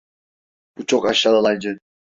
Bu çok aşağılayıcı.